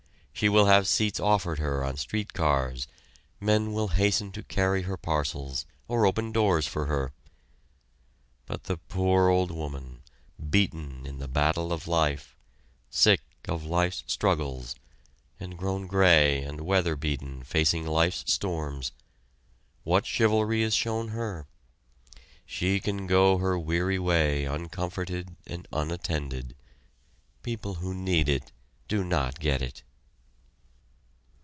She will have seats offered her on street cars, men will hasten to carry her parcels, or open doors for her; but the poor old woman, beaten in the battle of life, sick of life's struggles, and grown gray and weather beaten facing life's storms what chivalry is shown her? She can go her weary way uncomforted and unattended. People who need it do not get it.